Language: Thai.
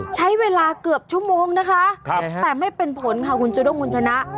ใช้เวลาเกือบชั่วโมงนะคะแต่ไม่เป็นผลค่ะคุณจูด้งคุณชนะ